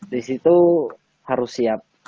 di situ harus siap